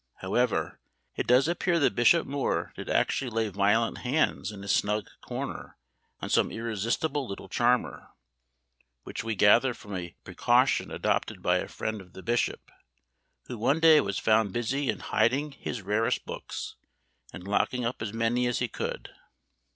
However, it does appear that Bishop More did actually lay violent hands in a snug corner on some irresistible little charmer; which we gather from a precaution adopted by a friend of the bishop, who one day was found busy in hiding his rarest books, and locking up as many as he could.